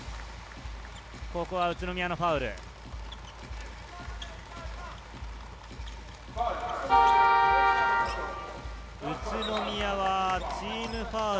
ここは宇都宮のファウル。